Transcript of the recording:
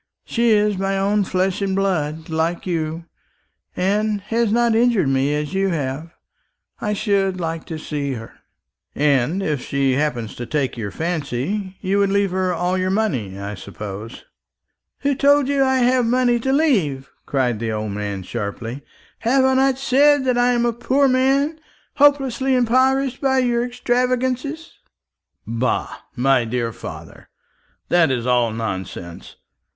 She is my own flesh and blood, like you, and has not injured me as you have. I should like to see her." "And if she happened to take your fancy, you would leave her all your money, I suppose?" "Who told you that I have money to leave?" cried the old man sharply. "Have I not said that I am a poor man, hopelessly impoverished by your extravagance?" "Bah, my dear father, that is all nonsense.